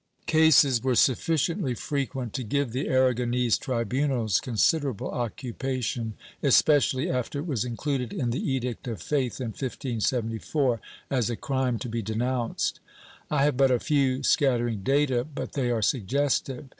^ Cases were sufficiently frequent to give the Aragonese tribunals considerable occupation, especially after it was included in the Edict of Faith in 1574, as a crime to be denounced.^ I have but a few scattering data, but they are suggestive.